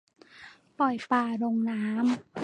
ปล่อยปลาลงน้ำ